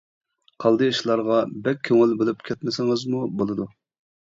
قالدى ئىشلارغا بەك كۆڭۈل بۆلۈپ كەتمىسىڭىزمۇ بولىدۇ.